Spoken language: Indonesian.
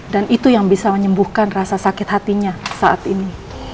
dan itu yang bisa menyembuhkan rasa sakit hatinya saat ini